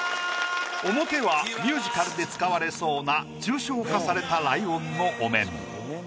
表はミュージカルで使われそうな抽象化されたライオンのお面。